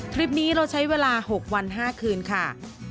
คลิปนี้เราใช้เวลา๖วัน๕คืนค่ะ